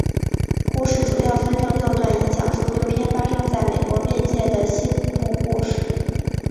故事主要分成六段以讲述六篇发生在美国边界的西部故事。